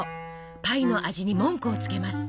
パイの味に文句をつけます。